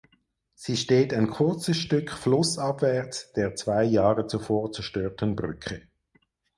Sie steht ein kurzes Stück flussabwärts der zwei Jahre zuvor zerstörten Brücke.